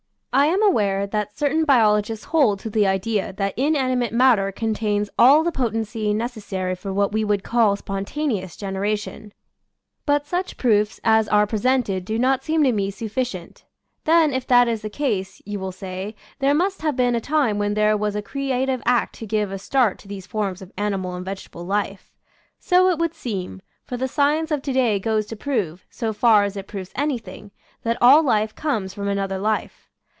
I am aware that cer tain biologists hold to the idea that inanimate matter contains all the potency necessary for what we would call spontaneous generation. 154 {^\, Original from :l< ~ UNIVERSITY OF WISCONSIN Zbe Sun'fi "Rags. 155 But such proofs as are presented do not seem to me sufficient. Then, if that is the case, you will say, there must have been a time when there was a crea tive act to give a start to these forms of ani mal and vegetable life. So it would seem, for the science of to day goes to prove, so far as it proves anything, that all life comes from another life.